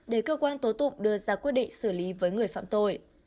để cơ quan tố tụng đưa ra quyết định xử lý với người phạm tội